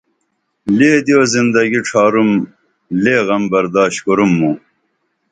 لے دیو زندگی ڇھارُم لے غم بردشت کُرُم موں